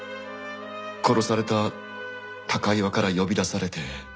殺された高岩から呼び出されて。